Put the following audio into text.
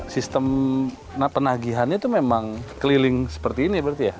sistem penagihannya itu memang keliling seperti ini berarti ya